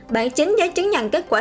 bản chính giải chứng nhận kết quả